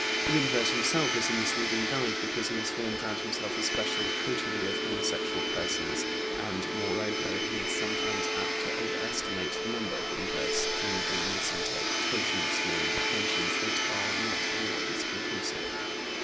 The invert himself is a misleading guide because he has formed round himself a special coterie of homosexual persons, and, moreover, he is sometimes apt to overestimate the number of inverts through the misinterpretation of small indications that are not always conclusive.